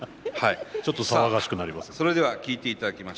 ちょっと騒がしくなります。